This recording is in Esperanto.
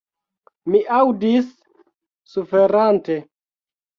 Mi aŭdis, suferante.